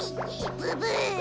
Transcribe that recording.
ブーブー！